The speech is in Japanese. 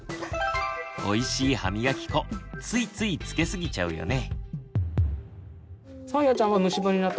おいしい歯みがき粉ついついつけすぎちゃうよね。